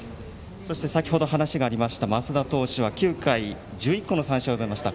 そして先程、話がありました升田投手は９回で１１個の三振を奪いました。